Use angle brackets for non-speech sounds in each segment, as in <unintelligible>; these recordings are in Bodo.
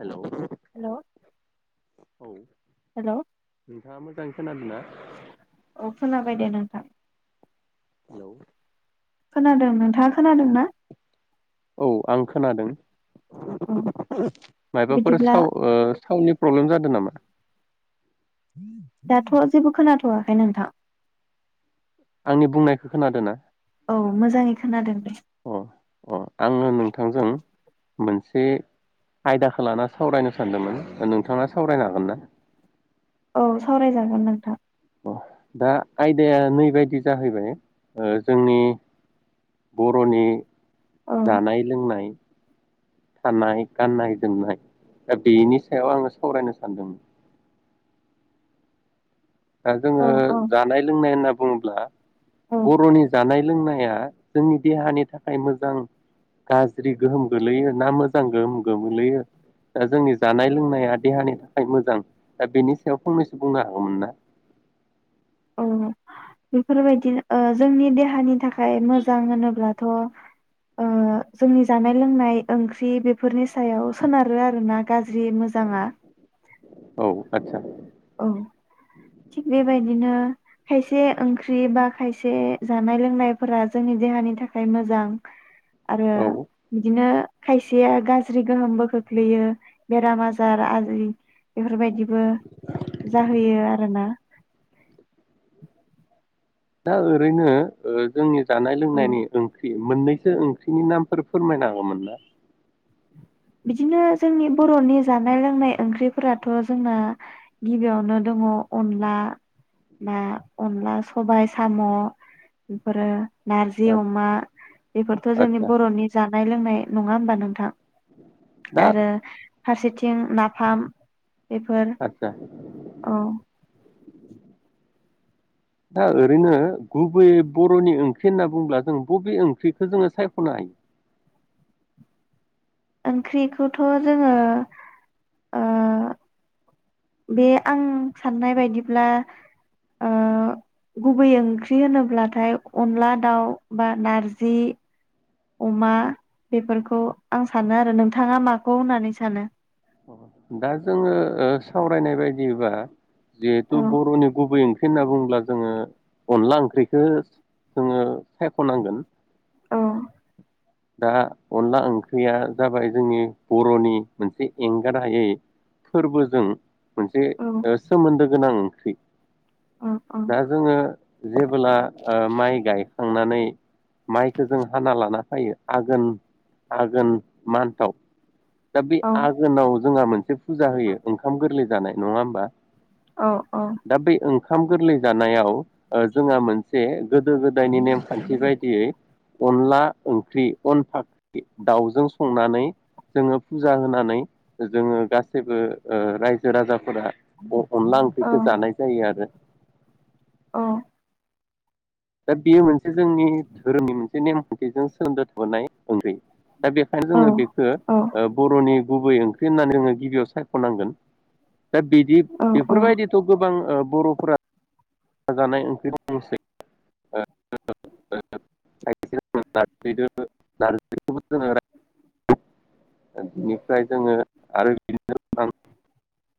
हेल' हेल' औ। नोंथाङा मोजाङै खोनादों ना? औ खोनाबाय दे नोंथां। हेलौ खोनादों नोंथाङा खोनादों ना? औ आं खोनादों औ मायबाफोर बिदिब्ला साव ओ सावनि प्रब्लेम जादों नामा? थ'आखै नोंथां आंनि बुंनायखौ खोनादों ना? औ मोजांङै खोनादों दे अ अ आंङो नोंथांजों मोनसे आयदाखौ लाना सावरायनो सानदोंमोन नोंथाङा सावरायनो हागोन ना? औ सावरायजागोन नोंथां दा आयदाया नैबायदि जाहैबाय ओ जोंनि बर'नि औ जानाय लोंनाय थानाय गाननाय जोमनाय दा बेनि सायाव आङो सावरायनो सानदों दा औ जोङो औ जानाय लोंनाय होनना बुंङोब्ला औ बर'नि जानाय लोंनाया जोंनि देहानि थाखाय मोजां गाज्रि गोहोम गोग्लैयो ना मोजां गोहोम गोग्लैयो दा जोंनि जानाय लोंनाया देहानि थाखाय मोजां दा बेनि सायाव फंनैसो बुंनो हागोमोन ना औ बेफोरबायदिनो ओ जोंनि देहानि थाखाय मोजां होनोब्लाथ' ओ जोंनि जानाय लोंनाय ओंख्रि बेफोरनि सायाव सोनारो आरोना गा जि मोजांङा औ आतसा औ थिग बेबायदिनो खायसे ओंख्रि बा खायसे जानाय लोंनायफोरा जोंनि देहानि थाखाय मोजां। आरो औ बिदिनो खायसेया गाज्रि गोहोमबो खोख्लैयो बेराम आजार आरि बेफोरबायदि बो जाहैयो आरो ना दा ओरैनो ओ जोंनि जानाय औ लोंनायनि ओंख्रि मोननैसो ओंख्रिनि नामफोर फोरमायनो हागोमोन ना बिदिनो जोंनि बर'नि जानाय लोंनाय ओंख्रिफोराथ' जोंना गिबियावनो दंङ' अनला ना अनला सबाय साम' बेफोरो नारजि अमा बेफोरथ' जोंनि आदसा बर'नि जा जानाय लोंनाय नंङा होमबा नोंथां दा आरो फारसेथिं नाफाम बेफोर आतसा औ दा ओरैनो गुबैयै बर'नि ओंख्रि होनना बुंङोब्ला जों बबे ओंख्रिखौ जोंङो सायख'नो हायो? ओंख्रिखौथ' जोंङो ओ बे आं साननाय बायदिब्ला ओ गुबै ओंख्रि होनोब्लाथाय अनला दाउ बा नारजि अमा बेफोरखौ आं सानो आरो नोंथाङा माखौ होननानै सानो? दा जोंङो ओ सावरायनाय बायदिबा जिहेथु औ बर'नि गुबै ओं ख्रि होनना बुङोब्ला जोंङो अनला ओंख्रिखौ जोङो सायख'नांगोन। औ दा अनला ओंख्रिया जाबाय जोंनि बर'नि मोनसे एंगारहायै फोरबोजों मोनसे औ ओ सोमोन्दो गोनां ख्रि। औ औ दा जोङो जेबोला ओ माइ गायखां खांनानै माइखौ जों हाना लाना फायो आगोन आगोन मान्थआव। दा बे औ आगोनाव जोंहा मोनसे फुजा होयो ओंखाम गोरलै जानाय नङा होमबा? औ औ। दा बै ओंखाम गोरलै जानायाव ओ जोंहा मोनसे गोदो गोदायनि नेमखान्थि बायदियै अनला ओंख्रि अन फाख्रि दाउजों संनानै जोङो फुजा होनानै जोङो गासैबो ओ रायजो राजाफोरा अनला औ ओंख्रिखौ जानाय जायो आरो। औ। दा बे मोनसे जोंनि धोरोमनि मोनसे नेमखान्थिजों सोमोन्दो थाबोनाय ओंख्रि दा बेखायनो जोङो बेखौ औ औ ओ बर'नि गुबै ओंख्रि होननानै जोङो गिबियाव सायख'नांगोन। दा बिदि औ बेफोरबायदिथ' गोबां ओ बर'फोरा <unintelligible>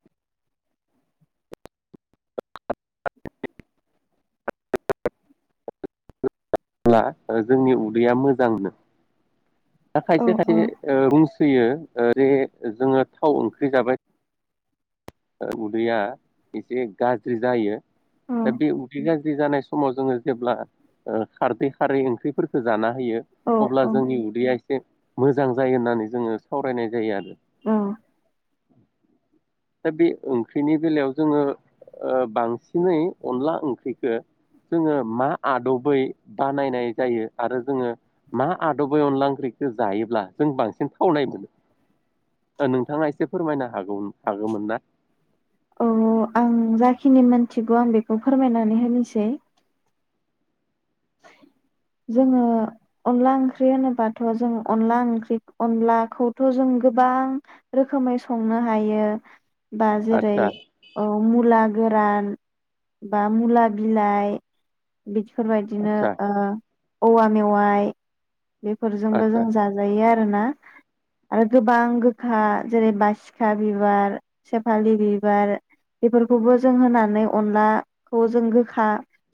<unintelligible> जोंनि उदैया मोजांनो। दा खायसे खायसे ओ <unintelligible> फैयो ओ जेरै जोङो थाव ओंख्रि जाबाय उदैया एसे गाज्रि जायो। बे उदै गाज्रि जानाय स समाव जोङो जेब्ला खारदै खारै ओंख्रिफोरफोरखौ जाना होयो अब्ला जोंनि उदैया एसे मोजां जायो होननानै जोङो सावरायनाय जायो आरो। औ। बे ओंख्रिनि बेलायाव जोङो ओ बांसिनै अनला ओंख्रिखौ जोङो मा आदबै बानायनाय जायो आरो जोङो मा आदबै अनला ओंख्रिखौ खो जायोब्ला जों बांसिन थावनाय मोनो नोंथाङा एसे फोरमायनो हागौ हागौमोन ना? औ आं जाखिनि मोनथिगौ आं बेखौ फोरमायनानै होनोसै जोङो अनला ओंख्रि होनोबाथ' जों अनला ओंख्रि अनलाखौथ' जों गोबां रोखोमै संनो हायो बा जेरै आदसा मुला गोरान बा मुवा बिलाइ बि बिदिनो आदसा ओ औवा मेवाइ बेफोरजोंबो आदसा जों जाजायो आरो आरोना आरो गोबां गोखा जेरै- बासिखा बिबार सेफालि बिबार बेफोरखौबो जों होनानै अनलाखौ जों गोखा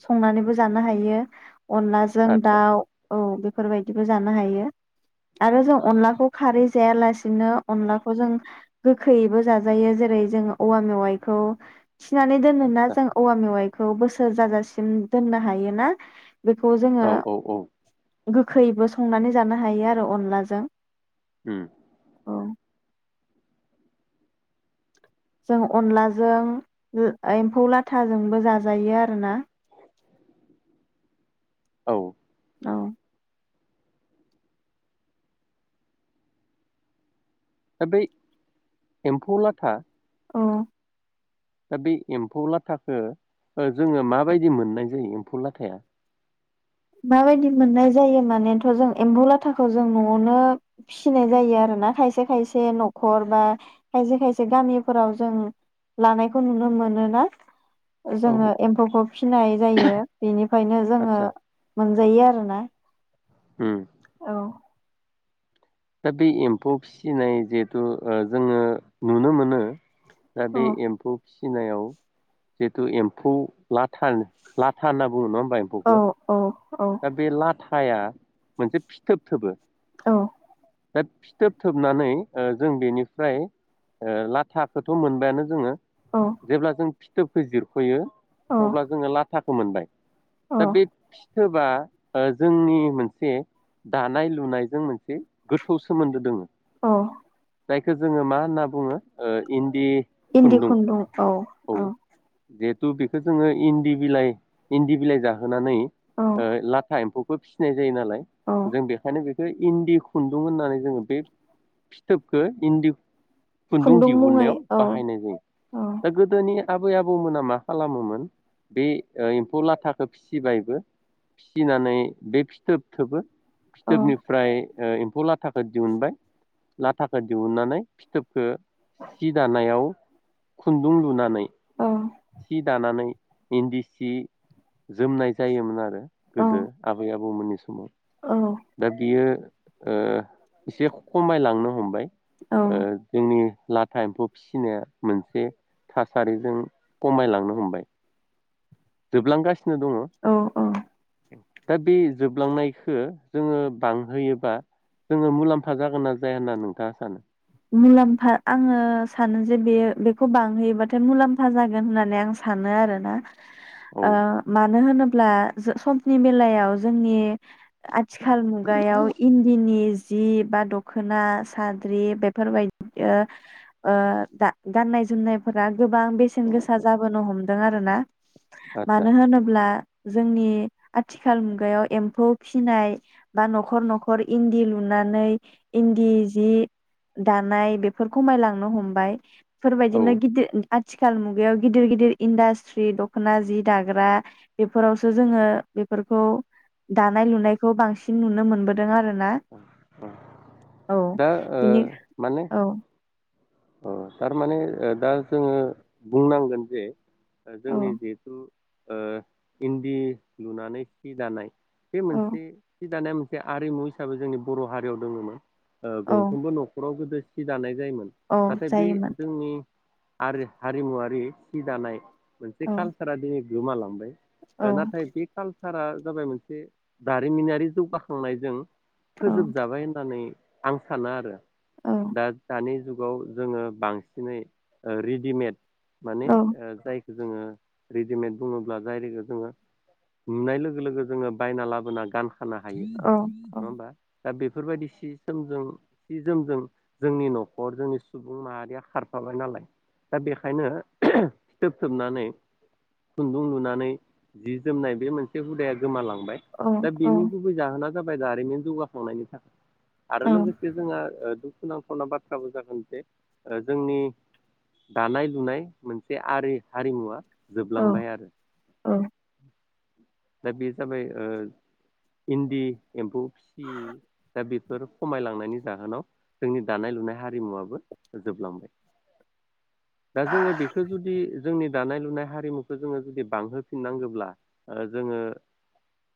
संनानैबो जानो हायो। अनलाजों आदसा दाउ औ बे बेफोरबायदिबो जानो हायो आरो जों अनलाखौ खारै जायालासे बिदिनो अनलाखौ जों गोखैयैबो जाजायो जेरै- जोङो औवा मेवाइखौ थिनानै दोनोना आदसा जों औवा मेवाइ खौ बोसोर जाजासिम दोननो हायो ना बेखौ जोङो औ औ औ गोखैयैबो संनानै जानो हायो आरो अनलाजों होम जों अनलाजों ला एम्फौ लाथाजोंबो जाजायो आरोना औ दा बै एम्फौ लाथा औ दा बै एम्फौ लाथाखो ओ जोङो माबायदि मोननाय जायो एम्फौ लाथाया माबायदि मोननाय जायो मानेथ' जों एम्बौ लाथाखौ जों न'आवनो फिसिनाय जायो आरो ना खायसे खायसे न'खर बा खायसे खायसे गामिफोराव जों लानायखौ नुनो मोनोना। ओ औ जोङो एम्फौखौ फिनाय जायो बेनिफ्रायनो जोङो आदसा मोनजायो आरोना होम औ दा बे एम्फौ फिसिनाय जिहेथु ओ जोङो नुनो मोनो दा औ बे एम्फौ फिसिनायाव जिथु एम्फौ लाथा लाथा होनना बुङो नङा होमबा औ एम्फौखो औ औ दा बे लाथा थाया मोनसे फिथोब थोबो औ दा फिथोब थोबनानै ओ जों बेनिफ्राय ओ लाथाखौथ' मोनबायानो जोङो। औ जेब्ला जों फिथोबखो जिरख'यो औ अब्ला जोङो लाथा खौ मोनबाय औ दा बे फि थोबा ओ जोंनि मोनसे दानाय लुनायजों मोनसे गोथौ सोमोन्दो दोङो अ जायखौ जोङो मा होनना बुङो ओ इन इन्दि खुन्दुं औ औ दे तु बेखौ जोङो इन्दि बिलाइ इन्दि बिलाइ जाहोनानै औ ओ लाथा एम्फौखो फिसिनाय जायो नालाय औ जों बेखायनो बे बे इन्दि खुन्दुं होननानै जोङो बे फिथोबखौ इन्दि खुन्दुं मुङै दिहुननायाव औ बाहायनाय जायो औ दा गोदोनि आबै आबौमोना मा खालामोमोन बे एम्फौ लाथाखौ फिसिबायबो फिसिनानै बे फिथोब थोबो औ फिथोबनिफ्राय ओ एम्फौ लाथाखौ दिहुनबाय लाथाखौ दिहुननानै फिथोबखौ सि दानायाव खुन्दुं लुनानै औ औ सि दानानै इन्दि सि जोमनाय जायोमोन आरो औ गोदो आबै आबौमोननि समाव दा बियो ओ एसे खमाय लांनो हमबाय औ ओ जोंनि लाथा एम्फौ फिसिनाया मोनसे थासारिजों खमायलांनो हमबाय जोबलांगासि नो दङ औ औ दा बे जोबलांनायखो जोङो बांहोयोबा जोङो मुलाम्फा जागोन ना जाया होनना नोंथाङा सानो मुलाम्फा आङो सानो जे बे बेखौ बांहैयोबाथाय मुलाम्फा जागोन होननानै आं सानो आरोना औ ओ मा नो होनोब्ला समनि बेलायाव जोंनि आथिखाल मुगायाव इन्दिनि जि बा दख'ना साद्रि बे फोरबायदि ओ ओ दा गाननाय जोमनायफोरा गोबां बेसेन गोसा जाबोनो हमदों आरोना आदसा मानो होनोब्ला जोंनि आथिखाल मुगायाव एम्फौ फिसिनाय बा न'खर न'खर इन्दि लुनानै इन्दि जि दानाय बेफोर खमायलांनो हमबाय बेफोर औ बायदिनो गिदिर आथिखाल मुगायाव गिदिर गिदिर इन्डास्ट्रि दख'ना जि दाग्रा बेफोरावसो जोङो बेफोरखौ दानाय लुनायखौ बांसिन नुनो मोनबोदों आरो ना औ दा ओ बिनो माने औ अ थारमाने ओ दा जोङो बुंनांगोन जे ओ औ जोंनि जिहेथु ओ इन्दि लुनानै सि दानाय बे औ मोनसे जि दानाया मोन से आरिमु हिसाबै जोंनि बर' हारियाव दङमोन ओ औ गंफ्रोमबो न'खराव गोदो सि दानाय जायोमोन औ नाथाय बे जायोमोन जोंनि आरो हारिमुवारि सि दानाय मोनसे औ कालसारा दिनै गोमा लांबाय औ नाथाय बेखा सारा जाबाय मोनसे दारिमिनारि जौगाखांनायजों औ फोजोबजाबाय होननानै आं सानो आरो। औ दा दानि जुगाव जोङो बांसिनै रेडिमेड माने औ ओ जाय जोङो रेडिमेड बुङोब्ला जाय जोङो नुनाय लोगो लोगो जोङो बायना लाबोना गानो। फानो हायो नङा औ होमबा दा बेफोरबायदि सि जोमजों सि जोमजों जोंनि न' हर जोंनि सुबुं माहारिया खारफाबाय नालाय दा बेखायनो फिथोब थोबनानै खुनदुं लुनानै जि जोमनाय बे मोनसे हुदाया गोमालांबाय औ दा औ बेनि गुबै जाहोना जाबाय दारिमिन जौगाखांनायनि थाखाय आरो लोगोसे जोंहा <unintelligible> जागोन जे जोंनि दानाय लुनाय मोनसे आरि हारिमुवा जोबलांबाय आरो दा बे जाबाय ओ इनदि एमफौ फिसि दा बेफोर खमायलांनायनि जाहोनाव जोंनि दानाय लुनाय हारिमुवाबो जोबलांबाय दा जोङो बेखौ जुदि जोंनि दानाय लुनाय हारिमुखौ जोङो जुदि बांहोफिननांगौब्ला जोङो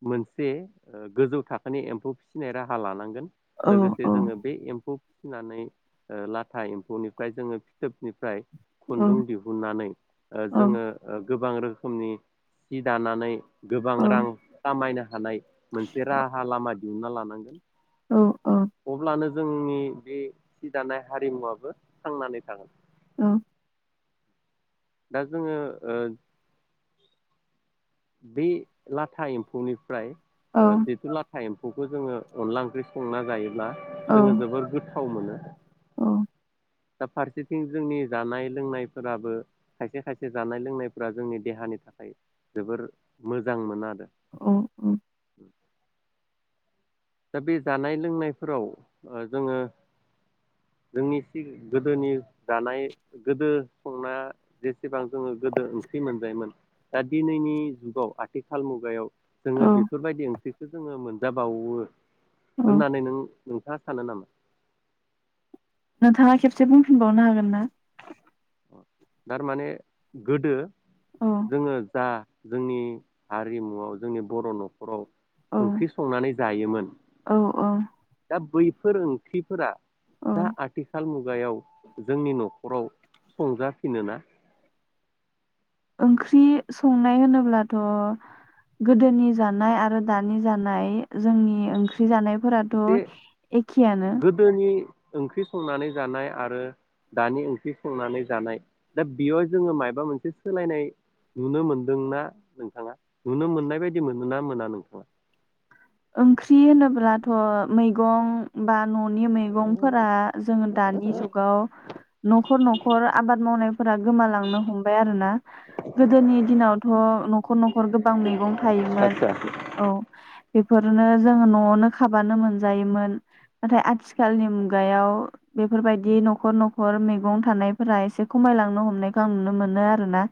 मोनसे गोजौ थाखोनि एमफौ फिसिनाय राहा लानांगोन लोगोसे जोङो बे एमफौ फिनानै लाथा एमफौनिफ्राय जोङो फिथोबनिफ्राय खुनदुं दिहुननानै जोङो गोबां रोखोमनि सि दानानै गोबां रां खामायना हानाय मोनसे राहा लामा दिहुनना लानांगोन औ अब्लानो जोंनि बे सि दानाय हारिमुाबो थांनानै थागोन औ दा जोङो बे लाथा एम्फौनिफ्राय दा बेफोर लाथा एम खौ जोङो अनला ओंख्रि संना जायोब्ला जोङो जोबद गोथ थावमोनो औ दा फारसेथिं जोंनि जानाय लोंनायफोराबो खायसे खायसे जानाय लोंनायफोरा जोंनि देहानि थाखाय जोबोर मोजां मोनो आरो औ औ दा बे जानाय लोंनायफोराव जोङो जोंनि सि गोदोनि जानाय गोदो संनाय जेसेबां जोङो गोदो ओंख्रि मोनजायोमोन दा दिनैनि जुगाव आथिखाल मुगायाव औ जोङो बेफोरबायदि ओंख्रिखौ जोङो मोनजाबावो औ दोननानै नों नोंथाङा सानो नामा नोंथाङा खेबसे बुंफिनबावनो हागोन ना थारमाने गोदो औ जोङो जा जोंनि हारिमुआव जोंनि बर' न'खराव औ ओंख्रि संनानै जायोमोन औ औ दा बै फोर ओंख्रिफोरा औ दा आथि साल मुग जुगायाव जोंनि न'खराव संजाफिनो ना ओंख्रि संनाय होनोब्लाथ' गोदोनि जानाय आरो दानि जानाय जोंनि ओंख्रि जानायफोराथ' एसे एखेयानो गोदोनि ओंख्रि संनानै जानाय आरो दानि ओंख्रि संनानै जानाय दा बेयाव जोङो माबा मोनसे सोलायनाय नुनो मोनदोंना नोंथाङा नुनो मोननाय बायदि मोनो ना मोना नोंथाङा ओंख्रि होनोब्लाथ' मैगं बा न'नि मैगंफोरा जोङो दानि जुगाव न'खर न'खर आबाद मावनाय फोर गोमालांनो हमबाय आरोोना गोदोनि दिनावथ' न'खर न'खर गोबां मैगं थायोमोन आतसा औ बेफोरनो जोङो न'आवनो खाबानो मोनजायोमोन नाथाय आथिखालनि मुगायाव बेफोरबायदि न'खर न'खर मैगं थानायफोरा एसे खमायलांनो हमनायखौ आं नुनो मोनो आरोना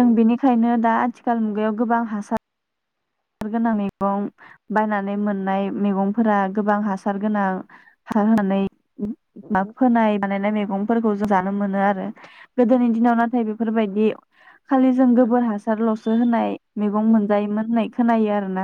औ बिनिखायनो दा आथिखाल मुगायाव गोबां हासार हासार गोनां मैगं बायनानै मोननाय मैगंफोरा गोबां हासार गोनां हार होनानै माब फोनाय बानायनाय मैगंफोरखौ जों जानो मोनो आरो गोदोनि दिनाव नाथाय बेफोरबायदि खालि जों आतसा गोबोर हासारल' होनाय औ मैगं औ मोनजायोमोन होननाय खोनायो आरोना।